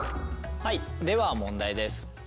はいでは問題です。